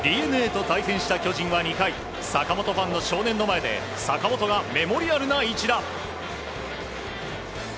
ＤｅＮＡと対戦した巨人は２回坂本ファンの少年の前で坂本がメモリアルな一打。